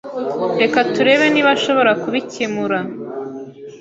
Reka turebe niba ashobora kubikemura.